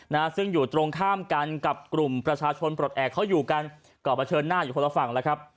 นะฮะซึ่งอยู่ตรงข้ามกันกับกลุ่มประชาชนปลดแอบเขาอยู่กันก็เผชิญหน้าอยู่คนละฝั่งแล้วครับ